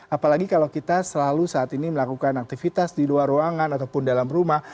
apalagi kalau kita selalu saat ini melakukan aktivitas di luar ruangan ataupun dalam rumah